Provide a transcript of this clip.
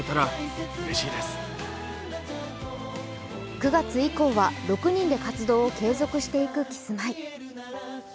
９月以降は６人で活動を継続していくキスマイ。